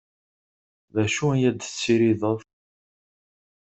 D acu i ad tessirideḍ?